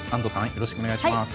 よろしくお願いします。